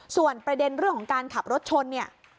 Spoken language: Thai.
ส่วนประเด็นเรื่องของการขับรถชนเนี่ย